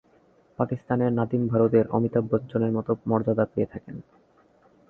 পাকিস্তানে নাদিম ভারতের অমিতাভ বচ্চনের মত মর্যাদা পেয়ে থাকেন।